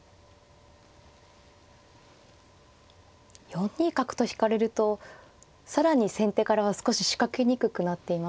４二角と引かれると更に先手からは少し仕掛けにくくなっていますか？